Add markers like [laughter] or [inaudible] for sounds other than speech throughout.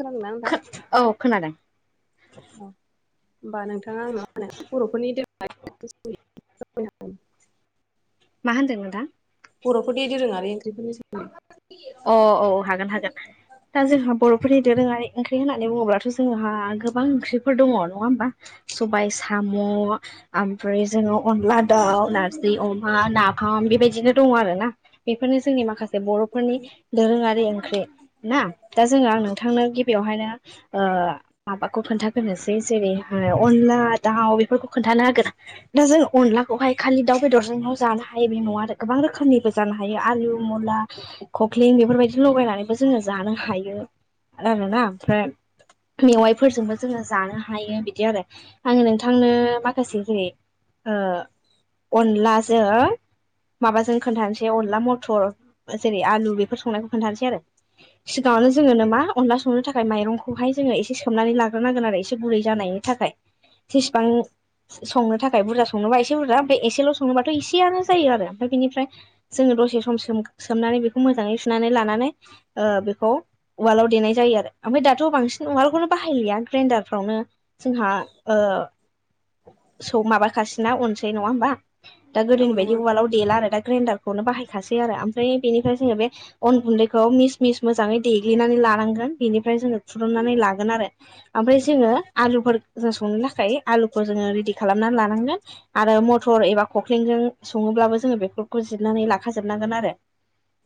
खोनादोंना नोंथां खो औ खोनादों औ होमबा नोंथाङा आंनाव मा होनो बर'फोरनि [unintelligible] मा होनदों नोंथां? बर'फोरनि दोरोंआरि ओंख्रिफोरनि सोमोन [unintelligible] अ औ हागोन हागोन दा जोंहा बर'फोरनि दोरोङारि ओंख्रि होननानै बुङोब्लाथ' जोंहा गोबां ओंख्रिफोर दङ नङा होमबा सबाइ साम' ओमफ्राय जोङो अनला दाउ नारजि अमा नाफाम बेबायदिनो दङ आरो ना बेफोरनो जोंनि माखासे बर'फोरनि दोरोङारि ओंख्रि ना दा जोङो आं नोंथांनो गिबियावहायनो ओ माबाखौ खोन्थागोरनोसै जेरैहाय अनला दाउ बेफोरखौ खोन्थाना होगोना दा जों अनलाखौहाय खालि दाउ बेदरजोंल' जानो हायो बे नङा आरो गोबां रोखोमनिबो जानो हायो आलु मुला कख्लिं बेफोरबायदि लगायनानैबो जोङो जानो हायो आरोना ओमफ्राय मेवाइफोरजोंबो जोङो जानो हा हायो बिदि आरो आङो नोंथांनो माखासे जेरै ओ अनलाजों माबाजों खोन्थानोसै अनला मथर जेरै आलु बेफोर संनायखौ खोन्थानसै आरो सिगाङावनो जोङो नो मा अनला संनो थाखाय माइरंखौहाय जोङो एसे सोमनानै लाग्रोनांगोन आरो एसे गुरै जानायनि थाखाय जेसेबां संनो थाखाय बुरजा संनोबा एसे बुरजा ओमफ्राय एसेल' संनोबाथ' इसेयानो जायो आरो ओमफ्राय बिनिफ्राय जोङो दसे सम सोम सोमनानै बेखौ मोजाङै सुनानै लानानै ओ बेखौ उवालाव देनाय जायो आरो ओमफाय दाथ' बांसिन उवालखौनो बाहायलिया ग्रेन्डारफ्रावनो जोंहा ओ सौ माबाखासैना अनसै नङा होमबा दा औ गोदोनि बायदि नंगौ उवालाव देला आरो दा ग्रेडारखौनो बाहायखासै आरो ओमफ्राय बेनिफ्राय जोङो बे अन गुन्दैखौ मिस मिस मोजाङै देग्लिनानै लानांगोन बिनिफ्राय जोङो खुरुनानै लागोन आरो ओमफाय जोङो आलुफोरजों संनो थाखाय आलुखौ जोङो रिडि खालामना लानांगोन आरो मटर एबा खख्लिंजों सङोब्लाबो जोङो बेफोरखौ जिरनानै लाखाजोबनांगोन आरो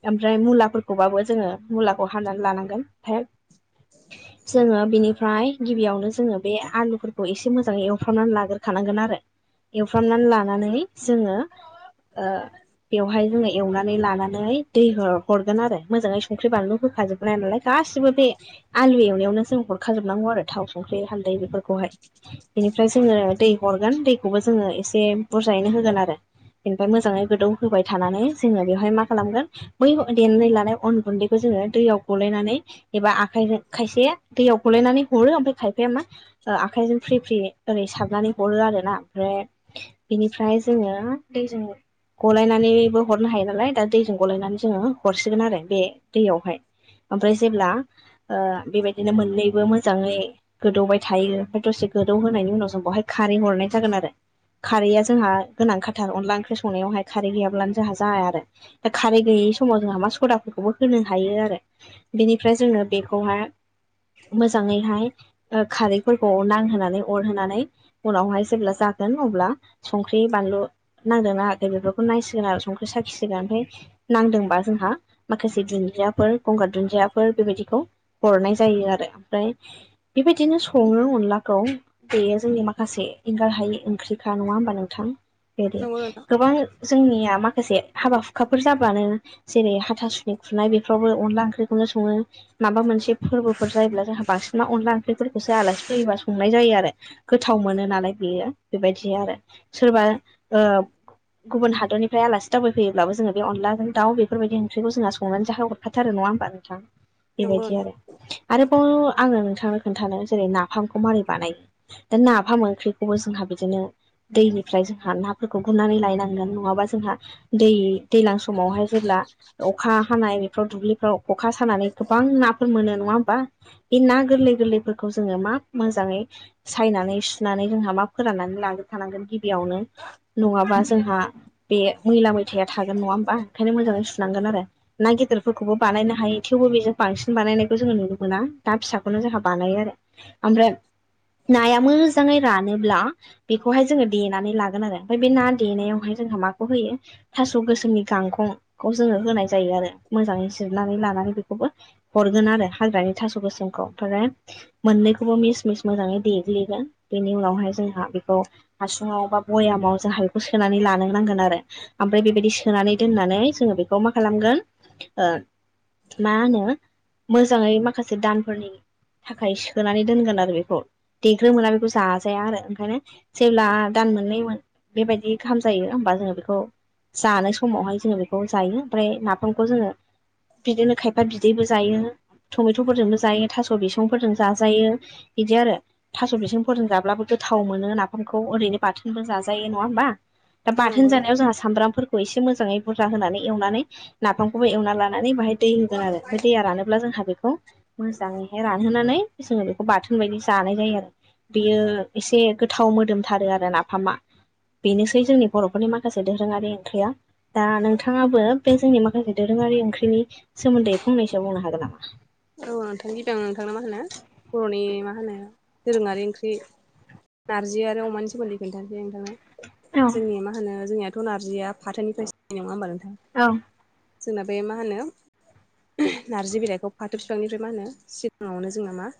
ओमफ्राय मुलाफोरखौबाबो जोङो मुलाखौ हानानै लानांगोन फाय [inaudible] जोङो बिनिफ्राय गिबियावनो जोङो बे आलुफोरखौ एसे मोजाङै एवफ्रामनानै लाग्रोखानांगोन आरो एवफ्रामनानै लानानै जोङो ओ बेवहाय जोङो एवनानै लानानै दै हर हरगोन आरो मोजाङै संख्रि बानलु होखाजोबनाय नालाय गासिबो बे आलु एवनायावनो जों हरखाजोबनांगौ आरो थाव संख्रि हालदै बेफोरखौहाय बिनिफ्राय जोङो दै हरगोन दैखौबो जोङो एसे बुरजायैनो होगोन आरो बेनिफाय मोजाङै गोदौ होबाय थानानै जोङो बेवहाय मा खालामगोन? बै देनानै लानाय अन गुन्दैखौ जोङो दैयाव गलायनानै एबा आखाइजों खायसे दैयाव गलायनानै हरो ओमफाय खाय ओमफ्राय मा आखाइजों फ्रि फ्रि ओरै सारनानै हरो आरो‌ ना ओमफ्राय बेनिफ्राय जोङो दैजों गलायनानैबो हरनो हायो नालाय दा दैजों गलायनानै जोङो हरसिगोन आरो बे दैयावहाय ओमफ्राय जेब्ला ओ बेबायदिनो मोननैबो मोजाङै गोदौबाय थायो ओमफ्राय दसे गोदौहोनायनि उनाव जों बहाय खारै हरनाय जागोन आरो। खारैया जोंहा गोनांखाथार अनला ओंख्रि संनायावहाय खारै गैयाब्लानो जोंहा जाया आरो दा खारै गैयि समाव जोंहा मा सदाफोरखौबो होनो हायो आरो। बेनिफ्राय जोंनो बेखौहाय मोजाङैहाय ओ खारैफोरखौ नांहोनानै अरहोनानै उनावहाय जेब्ला जागोन अब्ला संख्रि, बानलु नांदों नाङाखै बेफोरखौ नायसिगोन आरो संख्रि साखिसिगोन ओमफाय नांदोंबा जोंहा माखासे दुुनन्दियाफोर गंगार दुुनन्दियाफोर बेबायदिखौ हरनाय जायो आरो ओमफ्राय बेबायदिनो सङो अनलाखौ बेयो जोंनि माखासे एंगार हायि ओंख्रिखा नङा होमबा नोंथां? बेदि नंगौ नोंथां गोबां जोंनिया माखासे हाबा-हुखाफोर जाबानो जेरै हाथासुनि खुरनाय बेफोरावबो अनला ओंख्रिखौनो सङो माबा मोनसे फोरबोफोर जायोब्ला जोंहा बांसिन अनला ओंख्रिफोरखौसो आलासि फैयोबा संनाय जायो आरो। गोथाव मोनो नालाय बेयो बेबायदि आरो सोरबा ओ गुबुन हादरनिफ्राय आलासि दावबायफैयो होनब्लाबो जोङो बे अनलाजों दाउ बेफोरबाय ओंख्रिखौ जोंहा संनानै जाहो हरखा थायो। नङा होमबा नोंथा? नंगौ बेबायदि नोंथां आरो आरोबाव आङो नोंथांनो खोन्थानो जेरै-नाफामखौ मारै बानायो दा नाफाम ओंख्रिखौबो जोंहा बिदिनो दैनिफ्राय जोंहा नाफोरखौ गुरनानै लायनांगोनानै नङाबा जोंहा दै-दैज्लां समावहाय जेब्ला अखा हानाय बेफ्राव दुब्लिफ्राव खखा सानानै गोबां नाफोर मोनो। नङा होमबा? बे ना गोरलै गोरलैफोरखौ जोङो मा मोजाङै सायनानै सुनानै जोंहा मा फोराननानै लागोर खानांगोन गिबियावनो नङाबा जोंहा बे मैला-मैथाया थागोन। नङा होमबा? ओंखायनो मोजाङै सुनांगोन आरो ना गिदिरफोरखौबो बानायनो हायो। थेवबो बेजों बांसिन बानायनायखौ जोङो नुनो मोना। ना फिसाखौनो जोंहा बानायो आरो ओमफ्राय नाया मोजाङै रानोब्ला बेखौहाय जोङो देनानै लागोन आरो ओमफ्राय बे ना देनायावहाय जोंहा माखौ होयो थास' गोसोमनि गांखंखौ जोङो होनाय जायो आरो मोजाङै जिरनानै लानानै बेखौबो हरगोन आरो हाग्रानि थास' गोसोमखौ। ओमफ्राय मोननैखौबो मिस मिस मोजाङै देग्लिगोन बेनि उनावहाय जोंहा बेखौ हासुङाव बा बयामाव जोंहा बेखौ सोनानै लानो नांगोन आरो। ओमफ्राय बेबायदि सोनानै दोननानै जोङो बेखौ मा खालामगोन ओ मा होनो मोजाङै माखासे दानफोरनि थाखाय सोनानै दोनगोन आरो बेखौ। देग्रो मोना बेखौ जाजाया आरो ओंखायनो जेब्ला दान मोननै बेबायदि गाहाम जायो होमबा जोङो बेखौ जानाय समावहाय जोङो बेखौ जायो। ओमफ्राय नाफामखौ जोङो बिदिनो खायफा बिदैबो जायो, टमेट'फोरजोंबो जायो, थास' बिसंफोरजों जाजायो बिदि आरो थास' बिसं फोरजों जाब्लाबो गोथाव मोनो नाफामखौ ओरैनो बाथोनबो जाजायो। नङा होमबा? आ औ बाथोन नंगौ जानायाव जोंहा सामब्राम फोरखौ एसे मोजाङै बुरजा होनानै एवनानै नाफामखौबो एवनानै लानानै बाहाय दै होगोन आरो ओमफ्राय दैया रानोब्ला जोंहा बेखौ मोजाङैहाय रानहोनानै जोङो बेखौ बाथोन बायदि जानाय जायो आरो। बेयो एसे गोथाव मोदोमथारो आरो नाफामा। बेनोसै जोंनि बर'फोरनि माखासे दोरोङारि ओंख्रिया। दा नोंथाङाबो बे जोंनि माखासे दोरोङारि ओंख्रिनि सोमोन्दोै फंनैसो बुंनो हागोन नामा? औ नोंथांनि [unintelligible] नोंथांना मा होनो बर'नि मा होनो दोरोङारि ओंख्रि। नारजि आरो अमानि सोमोनदै खोनथानोसै नोंथानो। औ जोंनिया मा होनो जोंनियाथ' नारजिया फाथोनिफ्रायसो जायो नङा होनबा नोंथां? औ। जोंना बे मा होनो नारजि बिलाइखौ फाथो बिफांनिफ्राय मा होनो सिगाङावनो जोंना मा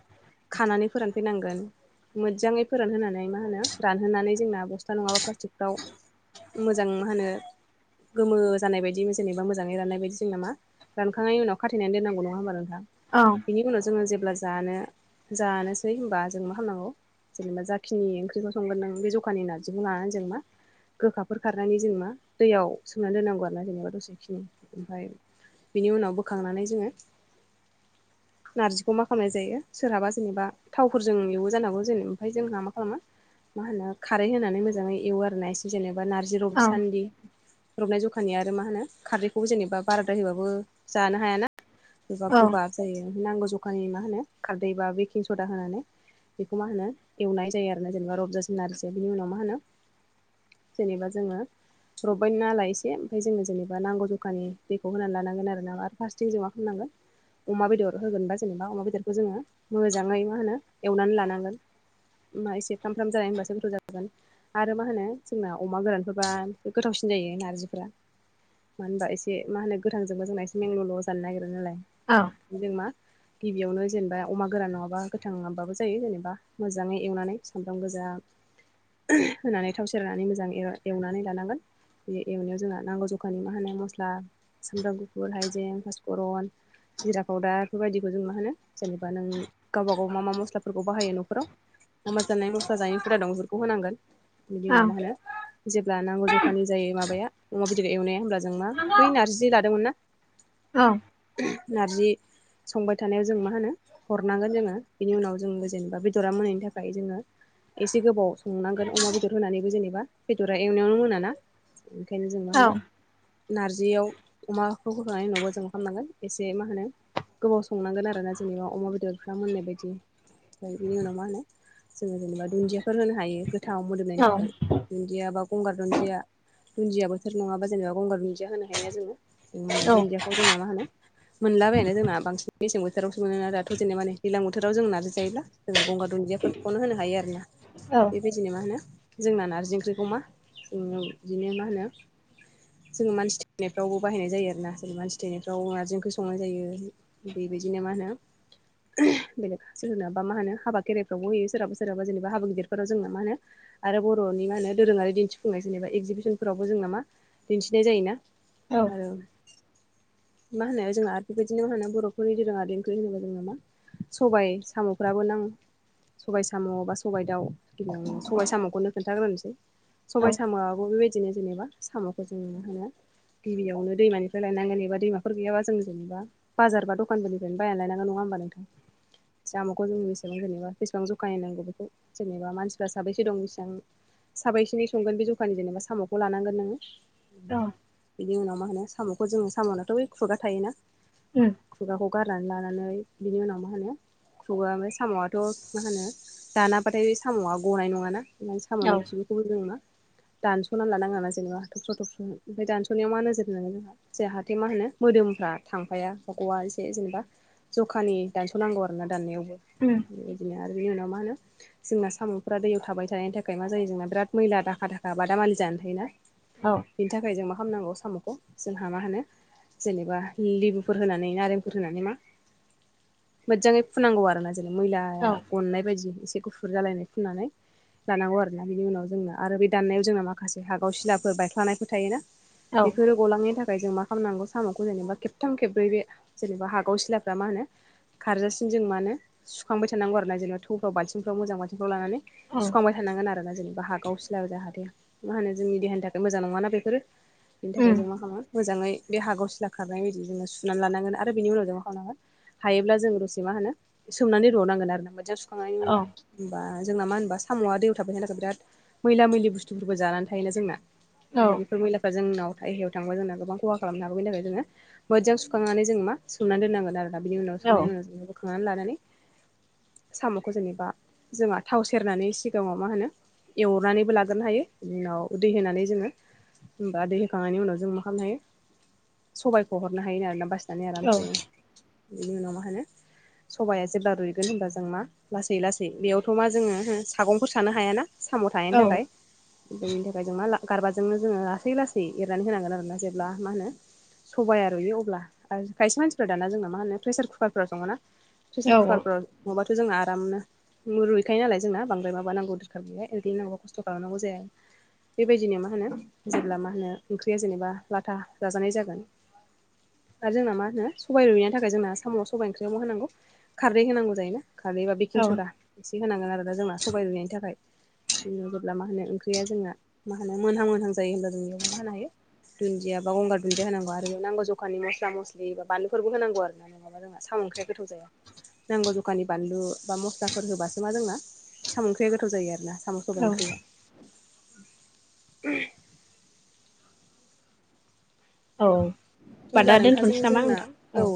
खानानै फोरान फैनांगोन। मोजाङै फोरानहोनानै मा होनो रानहोनानै जोंना बस्था नङाबा प्लास्टिकफ्राव मोजां मा होनो गोमो जानाय बायदि जेनेबा मोजाङै राननाय बायदि जोंना मा रानखांनायनि उनाव खाथेनानै दोननांगौ नङा होमबा नों [unintelligible] औ। बिनि उनाव जोङो जेब्ला जानो जानोसै होमबा जों मा खामनांगौ जेनेबा जाखिनि ओंख्रिखौ संगोन नों बे जखानि नार्जिखौ लानानै जों मा गोखाफोर खारनानै जों मा दैयाव सोमना दोननांगौ आरोना जेनेबा दसेखिनि ओमफाय बिनि उनाव बोखांनानै जोङो नार्जिखौ मा खामनाय जायो सोरहाबा जेनेबा थावफोरजों एवो जानांगौ जेन ओमफ्राय जोंहा मा खालामो मा होनो खारै होनानै मोजाङै एवो आरो ना एसे जेनेबा नार्जि औ रबसानदि। रबनाय जखानि आरो मा होनो खारदैखौबो जेनेबा बाराद्रार होबाबो जानो हायाना। एबा गोबाब जायो नांगौ जखानि मा होनो खारदै बा बेकिं सदा होनानै बेखौ मा होनो एवनाय जायो आरोना जेनेबा रबजासिम नार्जिखौ बिनि उनाव मा होनो जेनेबा जोङो रबबाय नालाय एसे ओमफाय जोङो जेनेबा नांगौ जखानि दैखौ होनानै लानांगोन आरो ना आरो फासेथिं जों मा खालामनांगोन अमा बेदर होगोनबा जेनेबा अमा बेदरखो जोङो मोजाङै मा होनो एवनानै लानांगोन। मा एसे फ्राम फ्राम जानाय होमबासो गोथाव जागोन। आरो मा होनो जोंना अमा गोरानफोरबा गोथावसिन जायो नारजिफोरा। मानो होनबा एसे मा होनो गोथांजोंबो जोंना एसे मेनल' 'ल' जानो नागिरो नालाय। औ। जों मा गिबियावनो जेनेबा अमा गोरान नङाबा गोथां नङाबाबो जायो जेनेबा मोजाङै एवनानै सामब्राम गोजा होनानै थाव सेरनानै मोजां एवनानै लानांगोन। बे एवनायाव जोंना नांगौ जखानि मा होनो मस्ला सामब्राम, गुफुर, हाइजें, पासपरन जिरा पाउदार बेफोर बायदिखौ जों मा होनो जेनेबा नों गावबा गाव मा मा मस्लाफोरखौ बाहायो न'खराव अमा जानाय मस्ला जायै फोरा दं बेफोरखौ होनांगोन। बिनि औ उनाव मा होनो जेब्ला नांगौ जखानि जायो माबाया अमा बेदर एवनाया होमब्ला जों मा बै नार्जि लादोंमोन ना औ। नार्जि संबाय थानायाव जों मा होनो हरनांगोन जोङो बेनि उनाव जोङो जेनेबा बेदरा मोनैनि थाखाय जोङो एसे गोबाव संनांगोन अमा बेदर होनानैबो जेनेबा बेदरा एवनायावनो मोनाना‌ ओंखायनो जों मा होनो नार्जियाव अमाखौ होखांनायनि उनावबो जों खामनांगोन एसे मा होनो गोबाव संनांगोन आरोना जेनेबा अमा बेदरफ्रा मोननाय बायदि। ओमफ्राय बिनि उनाव मा होनो जोङो जेनेबा दुन्दियाफोर होनो हायो गोथाव मोदोमनायनि थाखाय। दुन्दिया बा गंगार दुन्दिया दुन्दिया बोथोर नङाबा जेनेबा गंगार दुन्दिया होनो हायोना जोङो। जों मा होनो औ दुन्दियाखौ जोंना मा होनो मोनलाबायानो जोंना बांसिन मेसें बोथोरावसो मोनो दाथ' जेनेबानि दैलां बोथोराव जों नारजि जायोब्ला जों गंगार दुनदियाफोर खौनो होनो हायो आरोना बेबायद बिदिनो मा होनो जोंना नार्जि ओंख्रिखौ मा ओम बिदिनो मा होनो जोङो मानसि थैनायफ्रावबो बाहायनाय जायो आरोना जेरै मानसि थैनायफ्राव नारजि ओं खो संनाय जायो बेबायदिनो मा होनो बेलेक सोरनाबा मा होनो हाबा खेराइफ्रावबो होयो सोरहा सोरहा जेनबा हाबा गिदिरफोराव जोंना मा होनो आरो बर'नि मा होनो दोरोङारि दिन्थिफुंनाय जेनेबा एगजिबिसनफोरावबो जोंना मा दिन्थिनाय जायो ना? आरो मा होनो? जोंहा आरो बेबायदिनो मा होनो बर'फोरनि दोरोङारि ओंख्रि होनोबा जोङो मा सबाय साम'फ्राबो नां -' सबाय साम' बा सबबाय दाउ बिब सबाय साम'खौनो खोनन्थाग्रोनोसै सबबाय साम'आबो बेबाय दिनो जेननोब साम'खौ जों नुनो होनो गिबियावनो दैमानिफ्राय लायनांगोन एबा दैमा गैयाबा जों जेनेबा बाजार बा दखानफोरनिफ्रायनो बायनानै लायनांगौ नङा होमबा नोंथां? जामखौ जों बेसेबां जेनेबा बेसेबां जखायैनांगौ बेखौ। जेनेबा मानसिफ्रा साबैसे दं बेसिबां? साबायसिनि संगोन बे जखानि जेनेबा साम'खौ लानांगोन नोङो। औ बिनि उनाव मा होनो साम'खौ जोङो साम'नाथ' खुगा थायोना। उम खुगाखौ गारनानै लानानै बिनि उनाव मा होनो खुगा ओमफ्राय साम'आथ' मा होनो दानाब्लाथाय साम'आ गनाय नङाना। मे साम'नि खिबुखौबो दङ ना। दानस'ना लानाङा जेनेबा थब्र' थबस' ओमफ्राय दानस'नायावा नोजोर होनो जों जाहाथे मा होनो। मोदोमफ्रा थांफाया बा गवा एसे जेनेबा जखानि दानस'नांगौ आरो ना दाननायावबो। उम। बिदिनो आरो बिनि उनाव मा होनो जोंना साम'फ्रा दैयाव थाबाय थानायनि थाखाय मा जायो जोंना बिराद मैला दाखा थाखाखा बादामालि जानानै थायो ना। औ बिनि थाखाय जों मा खालामनांगौ साम'खौ जोंहा मा होनो जेनेबा लिबुफोर होनानै नारेंफोर होनानै मा मोजाङै फुनांगौ आरोना। बिनो मैलाया गननाय बायदि एसे गुफुर जालायनाय फुननानै। जानांगौ आरोना बिनि उनाव जोंनो आरो बे दाननायाव जोंना माखासे हागाव सिलाफोर बायख्लानायफोर थायोना। बेफोरो गलांनायनि थाखाय जों मा खालामनांगौ? सामाखौ जेनेबा खेबथाम खेब्रै बे जेनेबा हागाव सिलाफ्रा मा होनो? खारजासिम जों मा होन सुखांबाय थानांगौ आरो ना जेनेा थौफ्राव बालथिंफ्राव मोजां बालथिंफ्राव लानानै। सुखांबाय थानांगोन आरो ना जेनेबा हागाव सिला जाहाथे मा होनो जोंनि देहानि थाखाय मोजां नङााना बेफोरो। बेनि थाखाय जों मा खालामो मोजाङै। बे हागाव सिला खारनाय बायदि जोङो सुनानै लानांगोन आरो बेनि उनाव जोंङो खामनांगोन हायोब्ला जोंङ दसे मा होनो सोमनानै रनांगोन आरो ना मोजां सुखांनायनि उनाव। होमबा जोंना मा होनबा साम'आ दैयाव थाफैनो थाखाय बिराद मैला मैलि बुस्थुफोरबो जानानै थायोना जोंना। आरो बेफोर मैलाफ्रा जोंनाव बाहेराव जोंना गोबां खहा। खालामनो हागौ बेनि थाखाय जोङो मोजां सुखांनानै जोङो मा सोमनानै दोननांगोन आरो दा बि उनाव सुनायनि उनाव ज खांनानै लानानै साम'खौ जेनेबा जोंहा थाव सेरनानै सिगाङाव मा होनो। एवनानैबो लाग्रोनो हायो बिनि उनाव दै होनानै जोङो। होमबा दै होखांनायनि उनाव जों मा खालामनो हायो? सबायखौ हरनो हायो आरोना बसिनानै आरामसे बिनि उनाव मा होनो? सबाया जेब्ला रुइगोन होनब्ला जों मा लासै लासै बेयावथ' मा जोङो सागंफोर सानो हायाना। साम' थानायनि थाखाय ओमफ्राय बेनि थाखाय जों मा ला गारबाजोंनो जोङो लासै लासै एरनानै होनांगोन आरोना जेब्ला मा होनो सबाया रुइयो अब्ला आरो खायसे मानसिफ्रा दाना जोंना मा होनो प्रेसार कुकारफोराव सङ ना। प्रेसार कुकारफोराव नङाबाथ' जों आरामनो। रुइखायो नाल जोंना बांद्राय माबा नांगौ दरखार गैया एलैनो नांगौ खस्थ' खालामनौ जाया। बेबायदिनो मा होनो जेब्ला मा होनो ओंख्रिया जेनेबा लाथा जाजानाय जागोन। आरो जोंना मा होनो सबाइ रुइैनायनि थाखाय जोंना साम' सबाइ ओंख्रियाव मा होनांगौ खारदै होनांगौ जायोना। खारै बा बेकिं सदा एसे होनांगोन आरोना जोंना सबाय रुनायनि थाखाय। [unintelligible] जेब्ला मा होनो ओंख्रिया जोंहा मा होनो मोनहां मोनहां जायो होमब्ला जों बेयावा मा होनो हायो। दुन्दिया बा गंगार दुन्दिया होनांगौ आरो बे नांगौ जखानि मस्ला मस्लि बा बानलुफोरबो होनांगौ आरो। [inaudible] साम' ओंख्रैआ गोथाव जाया। नांगौ जखानि बानलु बा मस्लाफोर होबासो मा जोंना साम' ओंख्रैया गोथाव जायो आरोना साम' सबाइ ओंख्रैया। [unintelligible] औ दा होमब्ला नोंथाजों दोनथ'नोसै नामा जोंना नोंथां? औ